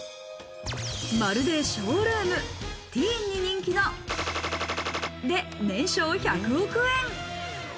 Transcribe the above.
まるでショールーム、ティーンに人気ので年商１００億円。